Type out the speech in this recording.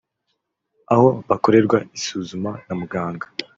aho bakorerwa isuzuma na muganga